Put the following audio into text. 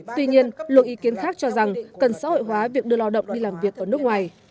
tuy nhiên luật ý kiến khác cho rằng cần xã hội hóa việc đưa lao động đi làm việc ở nước ngoài